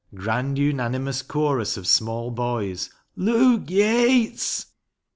" Grand unanimous chorus of small boys —" Luke Yates."